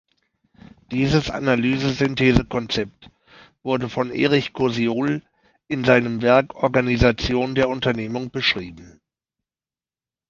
Dieses Analyse-Synthese-Konzept wurde von Erich Kosiol in seinem Werk „Organisation der Unternehmung“ beschrieben.